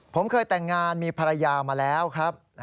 ผมเคยแต่งงานมีภรรยามาแล้วครับ